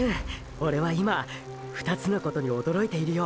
オレは今２つのことに驚いているよ。